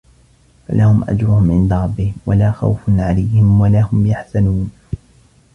فَلَهُمْ أَجْرُهُمْ عِنْدَ رَبِّهِمْ وَلَا خَوْفٌ عَلَيْهِمْ وَلَا هُمْ يَحْزَنُونَ